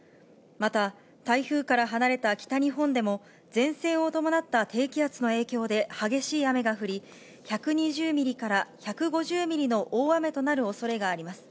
また台風から離れた北日本でも前線を伴った低気圧の影響で、激しい雨が降り、１２０ミリから１５０ミリの大雨となるおそれがあります。